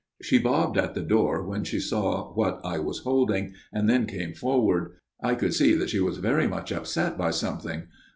She bobbed at the door when she saw what I was holding, and then came forward. I could see that she was very much upset by something.